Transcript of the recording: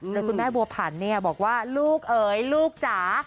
แล้วก็คุณแม่บัวผันบอกว่าลูกเอ๋ยลูกจ๋า